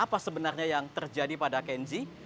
apa sebenarnya yang terjadi pada kenzi